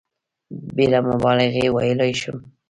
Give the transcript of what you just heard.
بېله مبالغې ویلای شم.